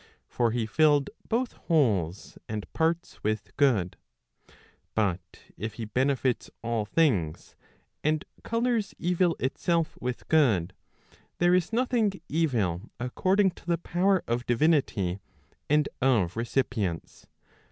For he filled both wholes and parts with good. But if he benefits all things, and colours evil itself with good, there is nothing evil according to the power of divinity and of recipients.